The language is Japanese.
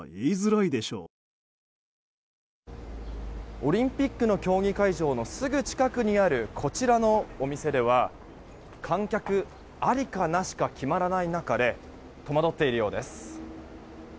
オリンピックの競技会場のすぐ近くにあるこちらのお店では観客ありかなしか決まらない中で戸惑っているようです。